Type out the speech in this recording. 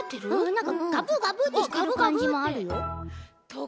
なんかガブガブってしてるかんじもあるよ。